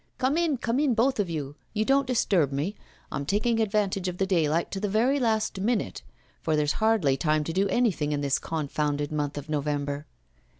Come in, come in, both of you! You don't disturb me; I'm taking advantage of the daylight to the very last minute, for there's hardly time to do anything in this confounded month of November.